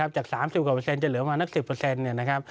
จาก๓๐กว่าเปอร์เซ็นต์จะเหลือมานัก๑๐